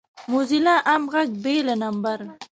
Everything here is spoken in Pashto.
موزیلا عام غږ بې له نمبر